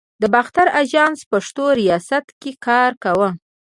د باختر آژانس پښتو ریاست کې کار کاوه.